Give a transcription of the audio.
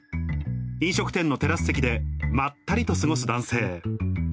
飲食店のテラス席でまったりと過ごす男性。